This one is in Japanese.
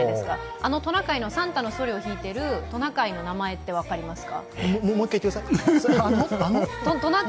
あのトナカイのサンタのそりを引いているトナカイの名前って分かりますか？